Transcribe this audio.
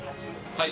はい。